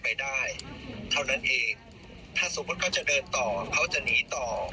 ถ้าสมมติเขาจะเดินต่อเขาจะหนีต่อ